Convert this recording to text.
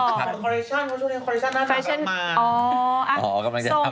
คอลเลคชั่นเพราะช่วงนี้คอลเลคชั่นน่าจะกลับมา